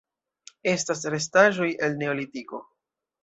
Estas restaĵoj el Neolitiko.